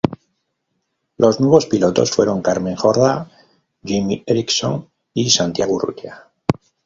Los nuevos pilotos fueron Carmen Jordá, Jimmy Eriksson y Santiago Urrutia.